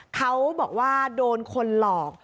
เขาบอกว่าโดนคนหลอก